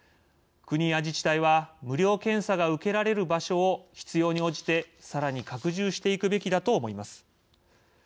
国や自治体は無料検査が受けられる場所を必要に応じてさらに拡充していくべきだと思います。